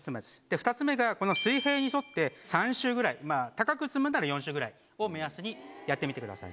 ２つ目が水平に沿って３周ぐらいまぁ高く積むなら４周ぐらいを目安にやってみてください